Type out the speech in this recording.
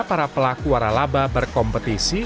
para pelaku waralaba berkompetisi